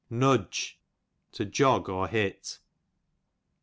Nudge, to jog^ or hit.